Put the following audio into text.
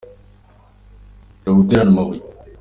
Reka guterana amabuye.